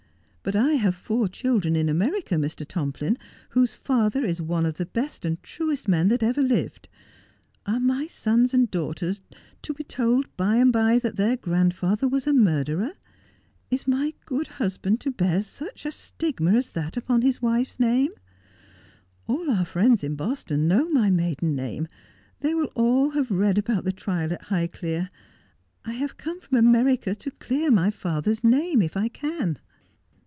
But I have four children in America, Mr. Tomplin, whose father is one of the best and truest men that ever lived Are my sons and daughters to be told by and by that their grandfather was a murderer 1 Is my good husband to bear such a stigma as that upon his wife's name I All our friends in Boston know my maiden name. They will all have read about the trial at Highelere. I have come from America to clear my father's name, if I can.'